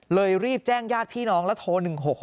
รีบแจ้งญาติพี่น้องแล้วโทร๑๖๖